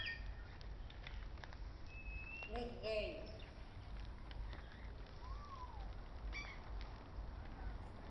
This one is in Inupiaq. Niġġiiñ.